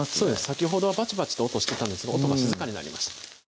先ほどはバチバチと音してたんですが音が静かになりました